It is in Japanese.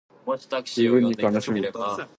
十分に悲しむ